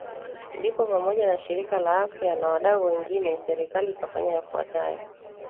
Ndipo pamoja na shirika la afya na wadau wengine Serikali ikafanya yafuatayo